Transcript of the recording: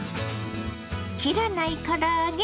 切らないから揚げ